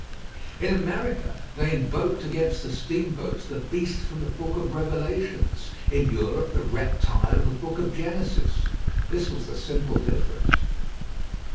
In America, they invoked against the steamboats the beast from the book of Revelation; in Europe, the reptile of the book of Genesis. This was the simple difference.